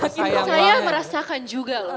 saya merasakan juga loh